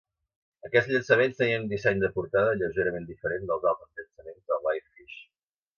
Aquests llançaments tenien un disseny de portada lleugerament diferent dels altres llançaments de LivePhish.